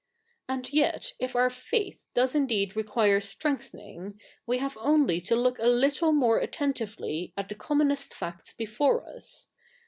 And yet, if our faith does ifideed require strengthening, we have only to look a little more attentively at the conwio?iest facts before us.